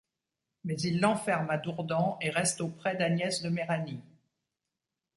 Mais il l'enferme à Dourdan et reste auprès d'Agnès de Méranie.